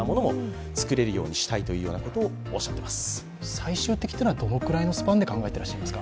最終的というのはどのくらいのスパンで考えていらっしゃいますか？